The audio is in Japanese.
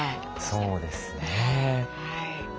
そうですね。